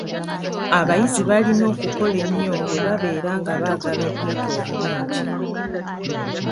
Abayizi balina okukola ennyo bwe babeera nga baagala okuyita obulungi.